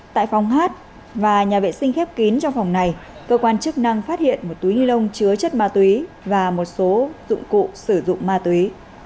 tại phòng hát và nhà vệ sinh khép kín trong phòng này cơ quan chức năng phát hiện một túi ni lông chứa chất ma túy và một số dụng cụ sử dụng ma túy